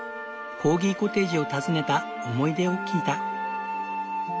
コーギコテージを訪ねた思い出を聞いた。